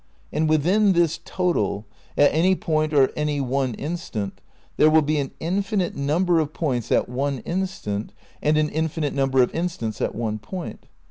And within this total, at any point or any one instant, there will be an infinite number of points at one instant and an infinite number of instants at one point.